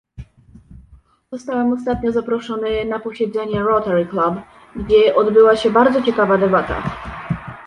Zostałem ostatnio zaproszony na posiedzenie Rotary Club, gdzie odbyła się bardzo ciekawa debata